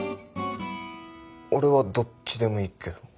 俺はどっちでもいいけど。